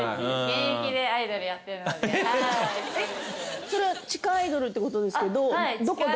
えっそれは地下アイドルってことですけどどこで。